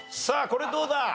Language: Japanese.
さあこれどうだ？